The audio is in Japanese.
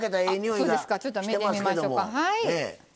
そうですかちょっと見てみましょうか。